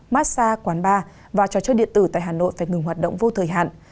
massage quán bar và trò chơi điện tử tại hà nội phải ngừng hoạt động vô thời hạn